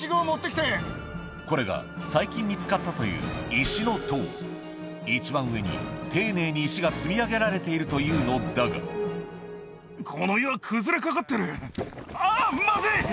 これが最近見つかったという一番上に丁寧に石が積み上げられているというのだがあぁまずい。